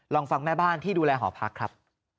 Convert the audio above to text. ลองฟังแม่บ้านที่ดูแลหอพักครับ